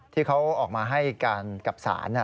ที่เขาออกมาให้การกับศาล